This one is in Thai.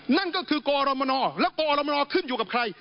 นั่นก็คือกรมนและกรมนขึ้นอยู่กับใคร